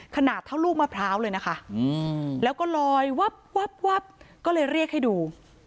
ขนาดเท่าลูกมะพร้าวเลยนะคะแล้วก็ลอยวับก็เลยเรียกให้ดู